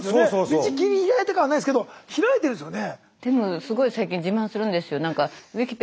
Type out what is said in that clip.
道切り開いた感はないですけど開いてるんですよね。